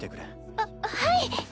あっはい！